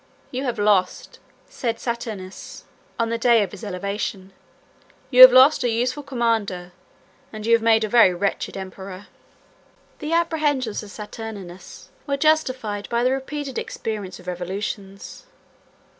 "You have lost," said Saturninus, on the day of his elevation, "you have lost a useful commander, and you have made a very wretched emperor." 164 164 (return) [ Hist. August p. 196.] The apprehensions of Saturninus were justified by the repeated experience of revolutions.